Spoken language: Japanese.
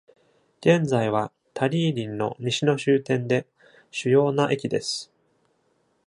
現在はタリーリンの西の終点で、主要な駅です。